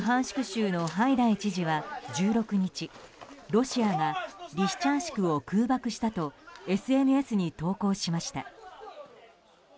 州のハイダイ知事は１６日ロシアがリシチャンシクを空爆したとＳＮＳに投稿しました。